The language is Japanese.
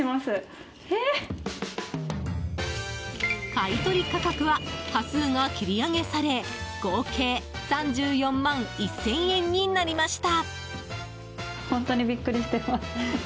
買い取り価格は端数が切り上げされ合計３４万１０００円になりました。